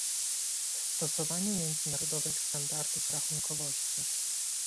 Stosowanie międzynarodowych standardów rachunkowości